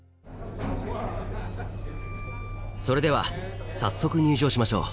それでは早速入場しましょう。